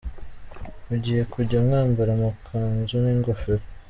Mugiye kujya mwambara amakanzu n’ingofero ?.